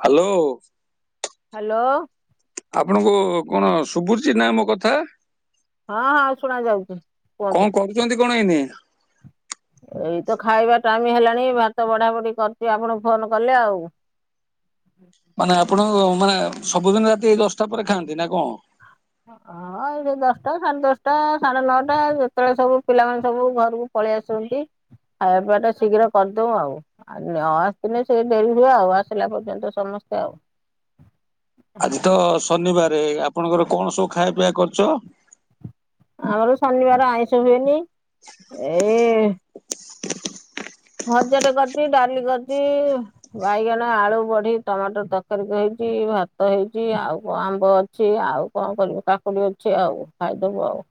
Hello. Hello. ଆପଣଙ୍କୁ କଣ ସୁଭୁଚି ନା ମୋ କଥା? ହଁ ହଁ ଶୁଣା ଯାଉଛି କୁହନ୍ତୁ କଣ କରୁଛନ୍ତି କଣ ଏଇନି? ଏଇତ ଖାଇବା ଟାଇମ ହେଲାଣି ଭାତ ବଢା ବଢି କରୁଛି ଆପଣ ଫୋନ କଲେ ଆଉ। ମାନେ ଆପଣଙ୍କ ମାନେ ସବୁଦିନ ରାତି ଏଇ ଦଶଟା ପରେ ଖାଆନ୍ତି ନା କଣ? ହଁ ଏଇଠି ଦଶଟା ସାଢେ ଦଶଟା ସାଢେ ନଅଟା ଯେତେବେଳେ ସବୁ ପିଲାମାନେ ସବୁ ଘରକୁ ପଳେଇ ଆସୁଛନ୍ତି। ଖାଇବା ପିଇବା ଟା ଶୀଘ୍ର କରିଦଉ ଆଉ, ନ ଆସିଥିଲେ ସେ ଡେରି ହୁଏ ଆଉ ଆସିଲା ପର୍ଯ୍ୟନ୍ତ ସମସ୍ତେ ଆଉ [inaudible] ଆଜି ତ ଶନିବାର ଆପଣଙ୍କର କଣ ସବୁ ଖାଇବା ପିଇଆ କରୁଛ? ଆମର ଶନିବାର ଆଇଁଷ ହୁଏନି, ଏଇ [inaudible] ଭଜାଟେ କରିଛି, ଡାଲି କରିଛି, ବାଇଗଣ, ଆଳୁ, ବଢି, ଟମାଟର ତରକାରୀ ହେ ଭାତ ହେଇଛି ଆଉ କଣ ଆମ୍ବ ଅଛି ଆଉ କଣ କରିବୁ କାକୁଡି ଅଛି ଆଉ ଖାଇଦବୁ ଆଉ।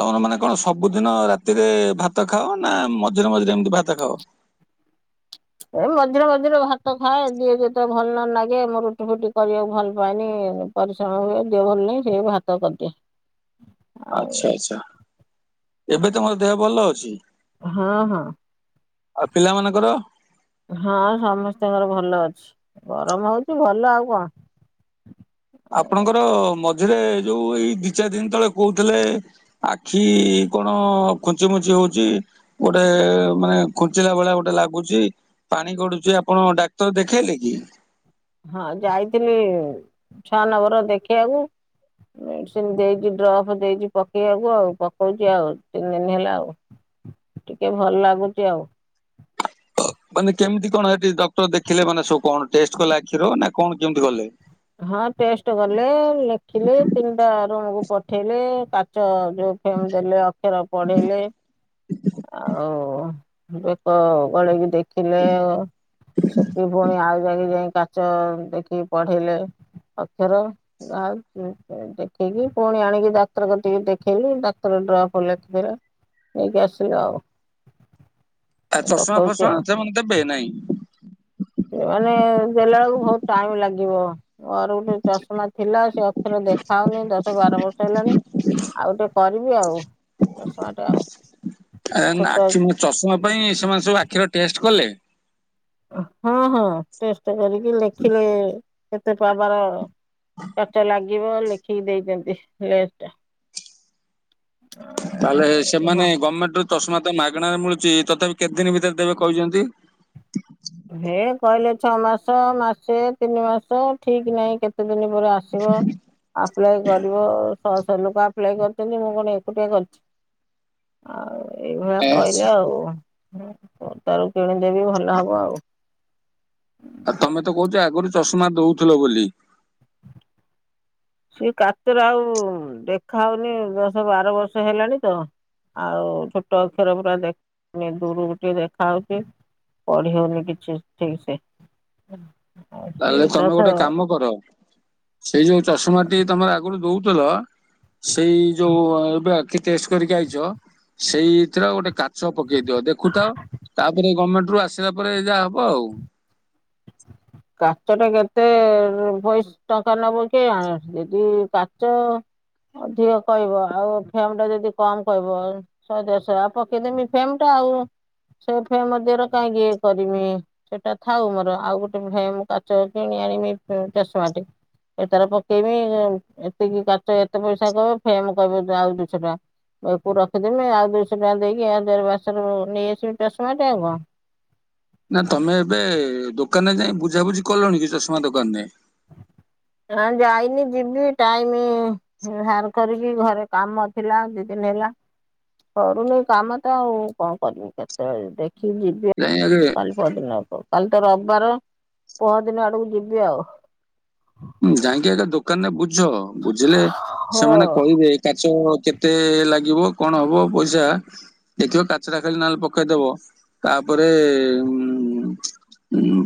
ତମର ମାନେ କଣ ସବୁଦିନ ରାତିରେ ଭାତ ଖାଅ ନା ମଝିରେ ମଝିରେ ଏମିତି ଭାତ ଖାଅ? ଏ ମଝିରେ ମଝିରେ ଭାତ ଖାଏ, ଦିହ ଯେତେବେଳେ ଭଲ ନ ଲାଗେ ମୁଁ ରୁଟି ଫୁଟି କରିବାକୁ ଭଲ ପାଏନି। ପରିଶ୍ରମ ହୁଏ ଦିହ ଭଲ ନାହିଁ ସେଏ ଭାତ କରିଦିଏ। ଆଉ ଆଚ୍ଛା ଆଚ୍ଛା ଏବେ ତମର ଦେହ ଭଲ ଅଛି? ହଁ ହଁ। ଆଉ ପିଲା ମାନଙ୍କର? ହଁ ସମସ୍ତଙ୍କର ଭଲ ଅଛି, ଗରମ ହଉଛି ଭଲ ଆଉ କଣ? ଏ ସେରେ ଯୋଉ ଏଇ ଦି ଚାରି ଦିନ ତଳେ କହୁଥିଲେ ଆଖି କଣ ଖୁଞ୍ଚି ମୁଞ୍ଚି ହ ଗୋଟେ ମାନେ ଖୁଞ୍ଚିଲା ଭଳିଆ ଗୋଟେ ଲାଗୁଛି, ପାଣି ଗଡୁଛି ଆପଣ ଡ଼ା ଡ଼ାକ୍ତର ଦେଖେଇଲେ କି? ହଁ ଯାଇଥିଲି ଛଅ ନବର ଦେଖିବାକୁ। ମେଡିସିନ ଦେଇଛି, ଡ୍ରପ ଦେଇଛି, ପକେଇବାକୁ ଆଉ ପକଉଛି ଆଉ ତିନି ଦିନ ହେଲା ଆଉ। ଟିକେ ଭଲ ଲାଗୁଚି ଆଉ। ମାନେ କେମିତି କଣ ସେଠି ଡକ୍ଟର ଦେଖିଲେ ମାନେ ସ କଣ ଟେଷ୍ଟ କଲେ ଆଖିର ନା କଣ କେମିତି କଲେ? ହଁ ଟେଷ୍ଟ କଲେ ଲେଖିଲେ, ତିନିଟା ରୁମକୁ ପଠେଇଲେ, କାଚ ଯଉ ଫେମ ଦେଲେ ଅକ୍ଷର ପଢେଇଲେ, ଆଉ ବେକ ଗଳେଇକି ଦେଖିଲେ ସେଠି ପୁଣି ଆଉ ଥରେ ଯାଇ କାଚ ଦେଖି ପଢେ଼ଇଲେ। ଅକ୍ଷର ଆ ଦେଖେଇକି ପୁଣି ଆଣିକି ଡାକ୍ତର କ ଟିକେ ଦେଖେଇଲିି, ଡ଼ା ସାତ ଡ୍ରପ ଲେଖିଦେଲେ, ନେଇକି ଆସିଲି ଆଉ। ଆ ଚଷମା ପକଉଛି ଆଉ। ଫଷମା ସେମାନେ ଦେବେ ନାହିଁ? ମାନେ ଦେଲା ବେଳକୁ ବହୁତ ଟାଇମ ଲାଗିବ। ମୋର ଗୋଟେ ଚଷମା ଥିଲା, ସେ ଅକ୍ଷର ଦେଖା ହଉନି ଦଶ ବାର ବର୍ଷ ହେଲାଣି ଆଉ ଗୋଟେ କ [unintelligible] ଆଉ [unintelligible] ଆଉ। ଛୋଟ ଆଖି ମୋ ଚଷମା ପାଇଁ ସେମାନେ ସବୁ ଆଖିର ଟେଷ୍ଟ କଲେ। ହଁ ହଁ ଟେଷ୍ଟ କରିକି ଲେଖିଲେ କେତେ ପାୱାର? କାଚ ଲାଗିବ ଲେଖିକି ଦେଇଛନ୍ତି ଲେନ୍ସ୍ ଟା। ତାହେଲେ ସେମାନେ ହଁ ଗମେଣ୍ଟ ରୁ ଚଷମା ମାଗଣାରେ ମିଳୁଚି ତଥାପି କେତେ ଦିନ ଭିତରେ ଦେବେ କହୁଛନ୍ତି? ହେ କହିଲେ ଛଅ ମାସ ମାସେ ତିନି ମାସ ଠିକ ନାହିଁ କେ କେତେ ଦିନ ପରେ ଆସିବ ଆପ୍ଲାଏ କରିବ। ଶହ ଶହ ଲୋକ ଆପ୍ଲାଏ କରିଛନ୍ତି ମୁଁ କଣ ଏକୁଟିଆ କରିଛି। ଆଉ ଏଇଭଳିଆ କହିଲେ ଆଉ। ପଦାରୁ କିଣିଦେବି ଭଲ ହବ ଆଉ। ଆଉ ତମେ ତ କହୁଛ ଆଗରୁ ଚଷମା ଦଉଥିଲ ବୋଲି। ସେ କାତରେ ଆଉ ଦେଖା ହଉନି ଦଶ ବାର ବର୍ଷ ହେଲାଣି ତ ଆଉ ଛୋଟ ଅକ୍ଷର ପୁରା ଦେ ଦୂରକୁ ଟିକେ ଦେଖା ହଉଛି। ପଢି଼ ହଉନି କିଛି ଠିକ ସେ। ଆଉ ସେ ତାହେଲେ ତମେ ଦଶ ଗୋଟେ କାମ କର ସେଇ ଯୋଉ ଚଷମା ଟି ତମେ ଆଗରୁ ଦଉଥିଲ ସେଇ ଯୋଉ ଏବେ ଆଖି ଟେଷ୍ଟ କରିକି ଆଇଚ ସେଇଥିର ଗୋଟେ କା ଚ ପକେଇ ଦି, ଦେଖୁଥାଉ ତାପରେ ଗମେଣ୍ଟରୁୁ ଆସିଲା ପରେ ଯାହା ହବ ଆଉ। କାଚ ଟା କେତେ ପଇସ୍ ଟଙ୍କା ନବ କେଜାଣି ଯଦି କାଚ ଅଧିକ କହିବ ଆଉ ଫେମ ଟା ଯଦି କମ୍ କହିବ ଶହେ ଦେଶହ ପକେଇଦେମି ଫେମ ଟା। ଆଉ ସେ ଫେମ୍ ମଧ୍ୟରେ କାହିଁକି ଇ କରିମି ସେଟା ଥାଉ ମୋର ଆଉ ଗୋଟେ କାଚ କିଣି ଆଣିବି ଚଷମାଟି। ଏ ତାର ପକେଇବି ଏତିକି କାଚ ଏତେ ପଇସା କହିବ ଫେମ କହିବ ଆଉ ଦୁଇଶ ଟଙ୍କା। ଏକୁ ରଖିଦେମି ଆଉ ଦୁଇଶହ ଟଙ୍କା ଦେଇକି ଆଉ [unintelligible] ନେଇଆସିବି ଚଷମା ଟି ଆଉ କଣ। ନା ତମେ ଏବେ ଦୋକାନରେ ଯାଇ ବୁଝାବୁଝି କଲଣି କି ଚଷମା ଦୋକାନରେ। ନା ଯାଇନି ଯିବି ଟାଇମ ବାହାର କରିବି ଘରେ କାମ ଥିଲା ଦି ଦିନି ହେଲା ସରୁନି କାମ ତ ଆଉ କଣ କରମି କେତେବେଳେ ଦେ ଯିବି ଯାଇ ଆଗେ କାଲି ପରଦିନ ଆଡ଼କୁ। କାଲି ତ ରବିବାର ପହର ଦିନ ଆଡକୁ ଯିବି ଆଉ। ଜାଇକି ଆଗ ଦୋକାନରେ ବୁ ବୁଝ ବୁଝିଲେ ସେମାନେ ହଁ। କହିବେ କାଚ କେତେ ଲାଗି ଗିବ କଣ ହବ ପଇସା ଦେଖିବ କାଚଟା ଖାଲି ନହେଲେ ପକେଇଦବ। ତାପରେ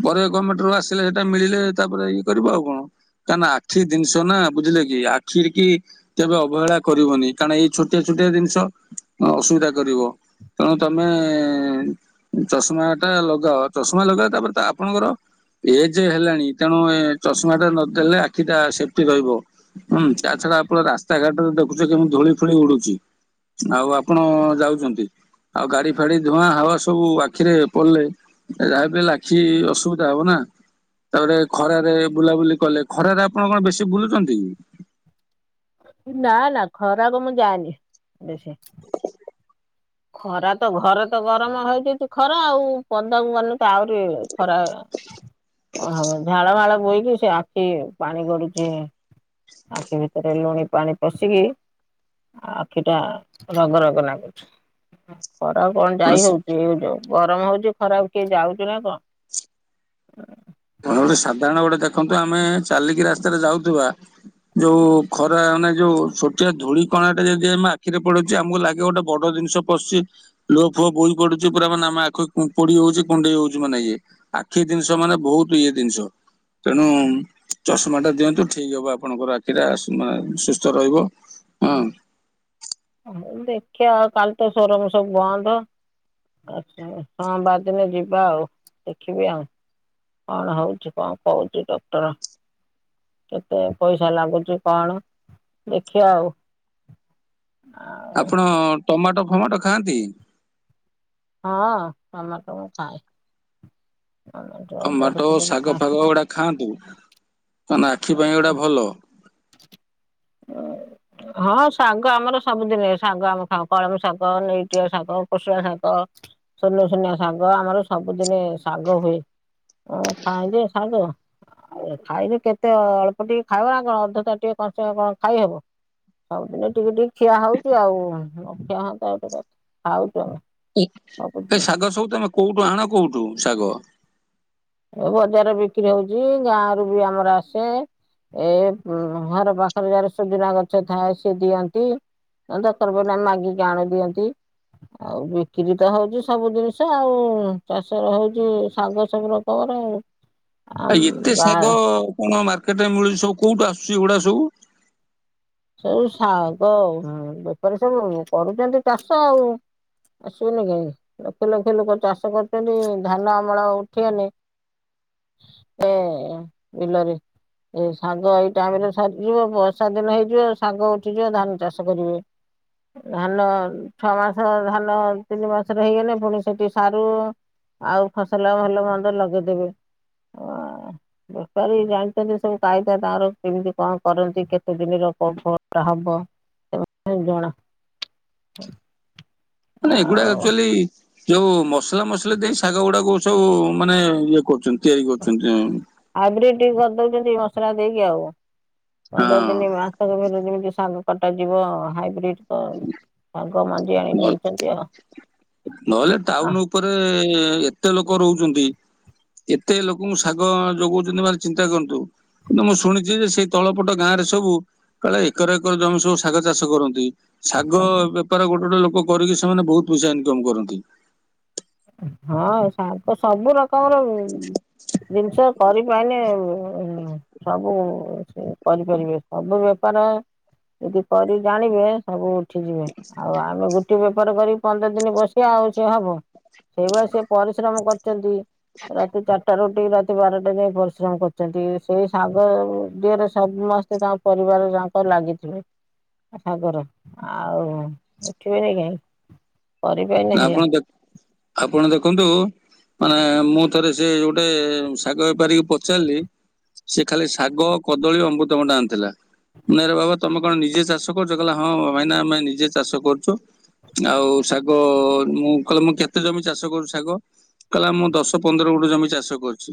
ପରେ ଗମେଣ୍ଟରୁ ଆସିଲେ ସେଇଟା ମିଳିଲେ ତାପରେ ଇଏ କରିବ ଆଉ କଣ। କାନା ଆଖି ଜିନିଷ ନା ବୁଝିଲେ କି ଆଖି କି କେବେ ଅବହେଳା କରିବନି କାରଣ ଏଇ ଛୋଟ ଛୋଟିଆ ଛୋଟିଆ ଜିନିଷ ଅସୁବିଧା କରିବ। ତେଣୁ ତମେ ଚଷମା ଟା ଲଗାଅ। ଚଷମା ଲଗା ତାପରେ ତ ଆପଣଙ୍କର ଏଜ ହେଲାଣି ତେଣୁ ଏ ଚଷମା ଟା ନ ଦେଲେ ଆଖିଟା ସେଫ୍ଟି ରହିବ। ହୁଁ ତା ଛଡା ଆପଣ ରାସ୍ତାଘାଟରେ ଦେଖୁଛ କି କେମିତି ଧୂଳି ଫୁଳି ଉଡୁଛି। ଆଉ ଆପଣ ଯାଉଛନ୍ତି। ଆଉ ଗାଡି ଫାଡି ଧୂଆଁ ହାୱା ସବୁ ଆଖିରେ ପଡିଲେ ଯାହା ହେଲେ ଆଖି ଅସୁବିଧା ହବ ନା। ତାପରେ ଖରାରେ ବୁଲାବୁଲି କଲେ ଖରାରେ ଆପଣ କଣ ବେଶୀ ବୁଲୁଛନ୍ତି? ନା ନା ଖରାକୁ ମୁଁ ଯାଏନି ବେଶି। ଖରା ତ ଘରେ ତ ଗରମ ହେଇଯାଉଛି ଖରା ଆଉ ପଦାକୁ ଗଲେ ତ ଆହୁରି ଖରା [inaudible] କଣ ହବ ଝାଳ ଫାଳ ବୋହିକି ସେ ଆଖି ପାଣି ଗଡୁଛି ଆଖି ଭିତରେ ଲୁଣି ପାଣି ପଶିକି ଆଖିଟା ରଗ ରଗ ଲାଗୁଛି। ଖରା କୁ କଣ ଯାଇ ହଉଛି ଏ ଯୋଉ ଗରମ ହଉଛି, ଖରାକୁ କିଏ ଯାଉଛୁ ନା, କଣ? ତମେ ଗୋଟେ ସାଧାରଣ, ଗୋଟେ ଦେଖନ୍ତୁ ଆମେ ଚାଲିକି ରାସ୍ତାରେ, ଯାଉଥୁବା ଯୋଉ ଖରା ମାନେ, ଯୋଉ ଛୋଟିଆ ଧୂଳି କଣାଟେ, ଯଦି ଆମେ ଆଖିରେ ପଡୁଛି, ଆମକୁ ଲାଗେ ଗୋଟେ ବଡ ଜିନିଷ ପଶି, ଲୁହ ଫୁଅ ବୋହି ପଡୁଛି, ପୁରା ମାନେ ଆମ ଆଖି ପୋଡି ହଉଛି, କୁଣ୍ଡେଇ ହଉଛି, ମାନେ ଇଏ ଆଖି ଜିନିଷ ମାନେ, ବହୁତ ଇଏ ଜିନିଷ। ତେଣୁ ଚଷମା ଟା ଦିଅନ୍ତୁ ଠିକ ହବ, ଆପଣଙ୍କର ଆଖିଟା ମାନେ, ସୁସ୍ଥ ରହିବ। ହଁ। ଦେଖିବା ଆଉ, କାଲି ତ ସୋରୁମ ସବୁ ବନ୍ଦ। ଆ ସୋମବାର ଦିନ ଯିବା ଆଉ, ଦେଖିବି ଆଉ। କଣ ହଉଛି? କଣ କହୁଛି ଡକ୍ଟର? କେତେ ପଇସା ଲାଗୁଛି, କଣ ଦେଖିବା ଆଉ। ଆପଣ ଟମାଟୋ, ଫମାଟୋ ଖାଆନ୍ତି? ହଁ ଟମାଟ, ମୁଁ ଖାଏ। ଟମାଟୋ ବଡି ଟମାଟୋ, ଫଡି ମୁଁ ଶାଗ, ଖାଏ। ଫାଗ ଗୁଡା ଖାଆନ୍ତୁ। କଣ ନା, ଆଖି ପାଇଁ ଏଗୁଡା ଭଲ। [inaudible] ହଁ ଶାଗ ଆମର ସବୁଦିନେ। ଶାଗ ଆମେ ଖାଉ, କଳମ ଶାଗ, ନେଉଟିଆ ଶାଗ, କୋଷଳା ଶାଗ, ସୁନୁ ସୁନିଆ ଶାଗ, ଆମର ସବୁଦିନେ ଶାଗ ହୁଏ। ମୁଁ ଖାଇ ଯେ ଶାଗ, ଖାଇଲେ କେତେ ଅଳ୍ପ ଟିକେ ଖାଇବ ଆଉ କଣ। ତାଟିଏ କଂସେ କଣ ଖାଇହବ। ସବୁଦିନେ ଟିକେ, ଟିକେ ଖିଆ ହଉଚି ଆଉ। ନଖିଆ ହୁଅନ୍ତା ଆଉ ଟିକେ ଖାଉଛୁ ଆମେ। ଏ, ସବୁଦିନ ଏ ଶାଗ ସବୁ ତମେ କୋଉଠୁ, ଆଣ କୋଉଠୁ ଶାଗ? ଏ ବଜାରରେ ବିକ୍ରି ହଉଛି। ଗାଁରୁ ବି ଆମର ଆସେ। ଏ ଘର ପାଖରେ, ଯାର ସୁବିଧା ଗଛ ଥାଏ ସିଏ ଦିଅନ୍ତି। ଦର୍କାର ପାଇଲେ ଆମେ ମାଗିକି, ଆଣି ଦିଅନ୍ତି। ଆଉ, ବିକ୍ରି ତ ହଉଛି, ସବୁ ଜିନିଷ ଆଉ। ଚାଷ ର ହଉଛି, ଶାଗ ସବୁ ର ହର। ଆ ଏତେ ଶାଗ କଣ ମାର୍କେଟ ରେ ମିଳୁଛି? ସବୁ କୋଉଠୁ ଆସୁଛି ଗୁଡା ସବୁ? ସବୁ ଶାଗ ବେପାରୀ, ସବୁ କରୁଛନ୍ତି ଚାଷ ଆଉ। ଆସିବନି କାହିଁକି ଲକ୍ଷ, ଲକ୍ଷ ଲୋକ ଚାଷ କରୁଛନ୍ତି। ଧାନ ଅମଳ ଉଠିଗଲେ। ଏ ବିଲରେ। ଏଇ ସାଙ୍ଗ ଏଇ ଟାଇମ, ରେ ସରିଯିବ। ବର୍ଷା ଦିନ ହେଇ ଶାଗ ଉଠିଯିବ ଧାନ ଚାଷ କରିବେ। ଧାନ ଛଅ ମାସ, ଧାନ ତିନି ମାସରେ ହେଇଗଲେ, ପୁଣି ସେଠି ସାରୁ ଆଉ ଫସଲ ଭଲ ମନ୍ଦ ଲଗେଇଦେବେ। ଓ, ବେପାରୀ ଜାଣିଛନ୍ତି ସବୁ କାଇଦା ତାଙ୍କର କେମିତି କଣ, କରନ୍ତି କେତେ ଦିନ ରଖ କୋଉ ବ ଟା ହବ। ସେ ଜଣା। ମାନେ ଏଗୁଡା ଆଉ ଆକ୍ଚୁଆଲି ଯୋଉ ମସଲା, ମସଲି ଦେଇ, ଶାଗ ଗୁଡାକ ସବୁ ମାନେ, ଇଏ କରୁଛନ୍ତି। ତିଆରି କରୁଛନ୍ତି। ହଁ। ସେମିତି ମସଲା ଦେଇକି ଆଉ। ପନ୍ଦର ଦିନ ହଁ ମାସ କ, ପରେ ଯେମତି ଶାଗ କଟାଯିବ। ହାଇବ୍ରିଡ ତ, ହଁ। ନହେ, ନହେଲେ ଟାଉନ ଆଉ। ଉପରେ, ଏତେ ଲୋକ ରହୁଛନ୍ତି। ଏତେ ଲୋକଙ୍କୁ ଶାଗ ଯଗଉଛନ୍ତି, ମ ଚିନ୍ତା କରନ୍ତୁ। କିନ୍ତୁ ମୁଁ ଶୁଣିଛି ଯେ, ସେଇ ତଳପଟ ଗାଁରେ ସବୁ, କାଳେ ଏକର, ଏକର ଜମି ସବୁ ଶାଗ ଚାଷ କରନ୍ତି। ଶାଗ ବେପାର ଗୋଟେ, ଗୋଟେ ଲୋକ କରିକି, ସେମାନେ ବହୁତ ପଇସା ଇନକମ କରନ୍ତି। ହଁ, ଶାଗ ସବୁ ର କମର, ଜିନିଷ କରିପାରିଲେ ହୁଁ ସବୁ ସେ କରିପାରିବେ, ସବୁ ବେପାର ଜଦୀ କରି ଜାଣିବେ, ସବୁ ହୁଁ ଆଉ ଆମେ ଗୋଟେ ବେପାର କରି ପନ୍ଦର ଦିନ ବସିବା ଆଉ ସେ ହବ। ସେଇଭଳିଆ ସେି ପରିଶ୍ରମ କରିୁଛନ୍ତି ରାତି ଚାରିଟାରୁ ଉ ଠୀ ରାତି ବାରଟା ଯାଇ ପରିଶ୍ରମ କରୁଛନ୍ତି ସେଇ ଶାଗ ଦିହରେ ସବୁ ମାସ ତାଙ୍କ ପରିବାର ତାଙ୍କ ଲାଗିଥିଲେ ସାଗର ଆଉ ଉଠିବେନି କାହିଁ କରିବେନି ଆପଣ ହେଲା। ଦେ ଆପଣ ଦେଖନ୍ତୁ। ମାନେ ମୁଁ ଥରେ ସେ ଗୋଟେ ଶାଗ ବେପାରିକି ପଚାରିଲି। ସେ ଖାଲି ଶାଗ କଦଳୀ ଅମୃତଭଣ୍ଡା ଆଣିଥିଲା। ନାଇରେ ବାବା ତମେ କଣ ନିଜେ ଚାଷ କରୁଛ କହିଲ ହଁ ଭାଇନା ଆମେ ନିଜେ ଚାଷ କରୁଛୁ। ଆଉ ଶାଗ ମୁଁ କହିଲ ମୁଁ କେତେ ଜମି ଚାଷ କରୁଚି ଶାଗ କହିଲା ମୁଁ ଦଶ ପନ୍ଦର ଗୁଣ୍ଠୁୁ ଜମି ଚାଷ କରୁଚି।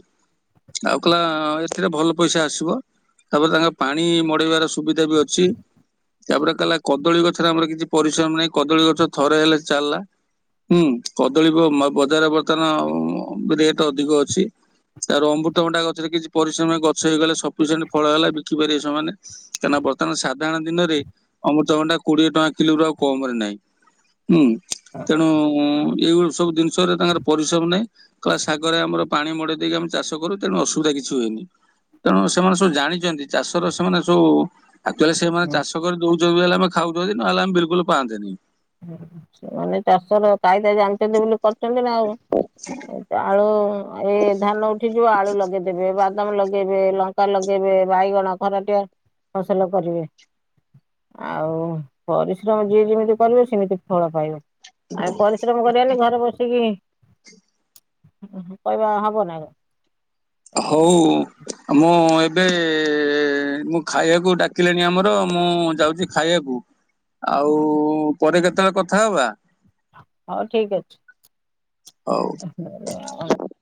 ଆଉ କହିଲା ଏଥିରେ ଭଲ ପଇସା ଆସିବ। ତାପରେ ତାଙ୍କର ପାଣି ମଡେଇବାର ସୁବିଧା ବି ଅଛି। ତାପରେ କହିଲା କଦଳୀ ଗଛରେ ଆମର କିଛି ପରିଶ୍ରମ ନାହିଁ କଦଳୀ ଗଛ ଥରେ ହେଲେ ଚାଲିଲା। ହୁଁ କଦଳୀ ବଜାରରେ ବର୍ତ୍ତମାନ ରେଟ ଅଧିକ ଅଛି। ତାର ଅମୃତଭଣ୍ଡା ଗଛରେ କିଛି ପରିଶ୍ରମ ଗଛ ହେଇଗଲେ ସଫିସିଏଣ୍ଟ ଫଳ ହେଲା ବିକି ପାରିବେ ସେମାନେ କାହିଁକି ନା ବର୍ତ୍ତମାନ ସାଧାରଣ ଦିନରେ ଅମୃତଭଣ୍ଡା କୋଡିଏ ଟଙ୍କା କିଲୋରୁ ଆଉ କମ ରେ ନାହିଁ। ହୁଁ ତେଣୁ ଉଁ ଏଇଳି ସବୁ ଜିନିଷ ତାର ପରିଶ୍ରମ ନାହିଁ କ ଶାଗରେ ଆମର ପାଣି ମଡେଇ ଦେଇକି ଆମେ ଚାଷ କରୁ ତେଣୁ ଅସୁବିଧା କି କିଛି ହୁଏନି। ତେଣୁ ସେମାନେ ସବୁ ଜାଣିଛନ୍ତି ଚାଷର ସେମାନେ ସବୁ ଆକ୍ଚୁଆଲି ସେମାନେ ଚାଷ କରି ଦୋଉଛନ୍ତି ହେଲେ ଆମେ ଖାଉଛନ୍ତି ନହେଲେ ଆମେ ବିଲକୁଲ ପାଆନ୍ତେନି। [inaudible] ମାନେ ଚାଷ ର କାଇଦା ଜାଣିଛନ୍ତି ବୋଲି କରିଛନ୍ତି ନା ଆଉ ଆଳୁ ଏ ଧାନ ଉଠିଯିବ ଆଳୁ ଲଗେଇଦେବେ ବା ଦାମ ଲଗେଇବେ ଲଙ୍କା ଲଗେଇବେ ବାଇଗଣ ଖରା ଟେ ଫସଲ କରିବେ। ଆଉ ପରିଶ୍ରମ ଯିଏ ଯେମିତି କରିବ ସେମିତି ଫଳ ପାଇବୁ ଆଉ ପରିଶ୍ରମ କରିବାନି ଘରେ ବସିକି [inaudible] ହୁଁ କହିବା ହବନା ଆଉ ହୋଉ ମୁଁ ଏବେ ମୁଁ ଖାଇବାକୁ ଡାକିଲେଣି ଆମର ମୁଁ ଯାଉଛି ଖାଇବାକୁ ଆଉ ପରେ କେତେବେଳେ କଥା ହବା। ହୋଉ ଠିକ ଅଛି। ହଉ [unintelligible]